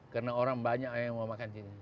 karena orang banyak yang mau makan di sini